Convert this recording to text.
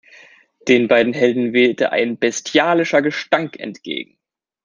Den beiden Helden wehte ein bestialischer Gestank entgegen.